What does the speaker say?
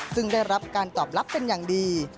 ซึ่งได้รับการตอบรับเป็นอย่างดี